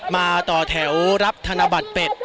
มาต่อแถวรับธนบัตรเป็ด